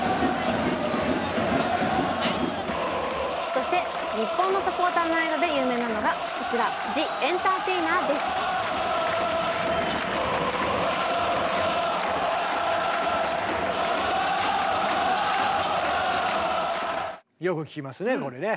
そして日本のサポーターの間で有名なのがこちらよく聴きますねこれね。